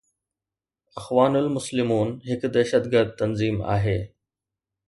اخوان المسلمون هڪ دهشتگرد تنظيم آهي